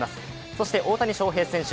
そして大谷翔平選手